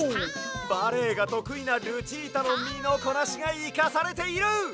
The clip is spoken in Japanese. バレエがとくいなルチータのみのこなしがいかされている！